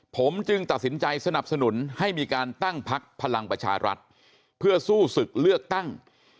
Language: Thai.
ผมจึงตัดสินใจสนับสนุนให้มีการตั้งพักพลังประชารัฐเพื่อสู้ศึกเลือกตั้ง